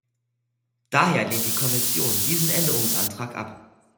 Daher lehnt die Kommission diesen Änderungsantrag ab.